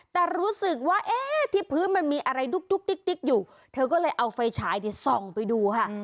แต่รู้สึกว่าเอ๊ะที่พื้นมันมีอะไรดุ๊กดิ๊กอยู่เธอก็เลยเอาไฟฉายส่องไปดูค่ะ